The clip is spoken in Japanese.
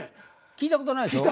聞いたことないでしょ？